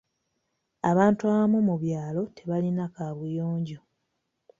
Abantu abamu mu byalo tebalina kaabuyonjo.